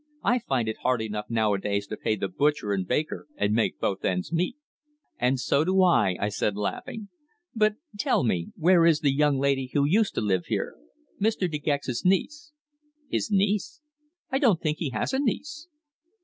I find it hard enough nowadays to pay the butcher and baker and make both ends meet." "And so do I," I said, laughing. "But, tell me, where is the young lady who used to live here Mr. De Gex's niece?" "His niece! I don't think he has a niece."